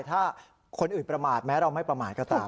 ถ้าคนอื่นประมาทแม้เราไม่ประมาทก็ตาม